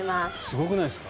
すごくないですか？